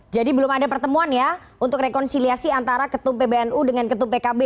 jadi belum ada pertemuan ya untuk rekonsiliasi antara ketum pbnu dengan ketum pkb